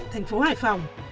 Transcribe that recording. thành phố hải phòng